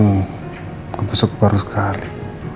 ngebesok baru sekali